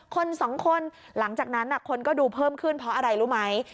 คนสองคนหลังจากนั้นคนก็ดูเพิ่มขึ้นเพราะอะไรรู้ไหม